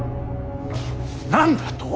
何だと！